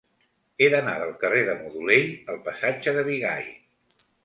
He d'anar del carrer de Modolell al passatge de Bigai.